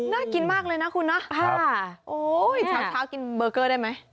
น่ากินมากเลยนะคุณนะ